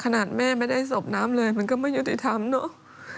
ขนาดแม่ไม่ได้สบน้ำเลยมันก็ไม่ยุติธรรมเนอะ